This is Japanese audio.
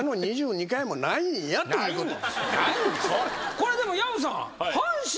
これでも藪さん。